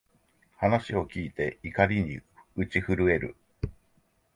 話を聞いて、怒りに打ち震える